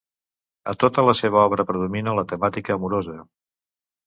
A tota la seva obra predomina la temàtica amorosa.